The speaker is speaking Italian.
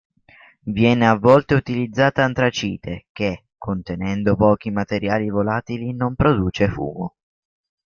Viene a volte utilizzata antracite, che, contenendo pochi materiali volatili, non produce fumo.